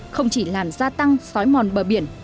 không chỉ làm gia tăng sói mòn bờ biển